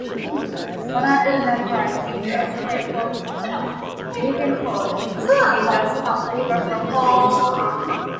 Modern Woodmen Park in Davenport is located just upriver from the bridge.